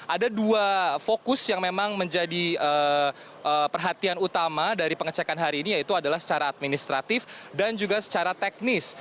ada dua fokus yang memang menjadi perhatian utama dari pengecekan hari ini yaitu adalah secara administratif dan juga secara teknis